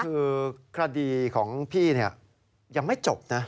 คือคดีของพี่ยังไม่จบนะ